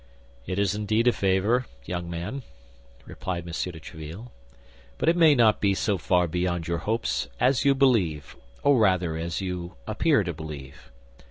"It is indeed a favor, young man," replied M. de Tréville, "but it may not be so far beyond your hopes as you believe, or rather as you appear to believe.